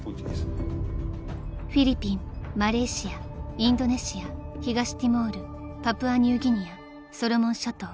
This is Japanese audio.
［フィリピンマレーシアインドネシア東ティモールパプアニューギニアソロモン諸島］